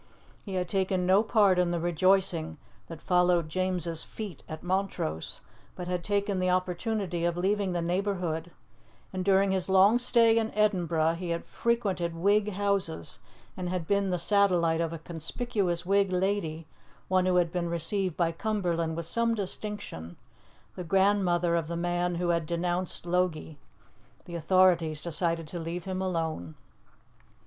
He had taken no part in the rejoicing that followed James's feat at Montrose, but had taken the opportunity of leaving the neighbourhood, and during his long stay in Edinburgh he had frequented Whig houses and had been the satellite of a conspicuous Whig lady, one who had been received by Cumberland with some distinction, the grandmother of the man who had denounced Logie. The authorities decided to leave him alone.